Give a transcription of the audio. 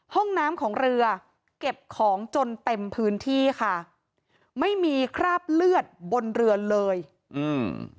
ห้องน้ำของเรือเก็บของจนเต็มพื้นที่ค่ะไม่มีคราบเลือดบนเรือเลยอืม